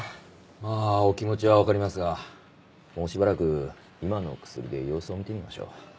まあお気持ちはわかりますがもうしばらく今の薬で様子を見てみましょう。